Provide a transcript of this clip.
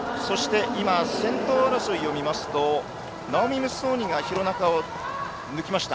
先頭争いを見るとナオミムッソーニが廣中を抜きました。